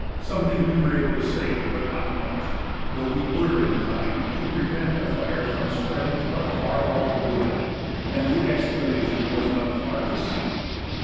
Something we were able to save, but not much, though we were in time to prevent the fire from spreading to our far hauled wood. And the explanation was not far to seek.